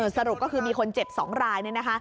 สรุปก็คือมีคนเจ็บ๒รายเนี่ยนะคะ